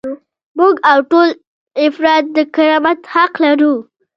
موږ او ټول افراد د کرامت حق لرو.